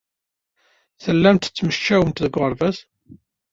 Tellamt tettmecčiwemt deg uɣerbaz?